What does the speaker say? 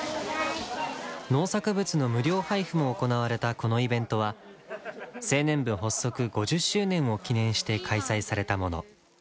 農作物の無料配布も行われたこのイベントは青年部発足５０周年を記念して開催されたもの。